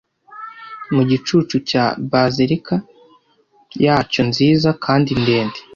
mu gicucu cya basilika yacyo nziza kandi ndende